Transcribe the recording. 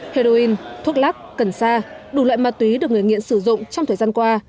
heroin thuốc lắc cần sa đủ loại ma túy được người nghiện sử dụng trong thời gian qua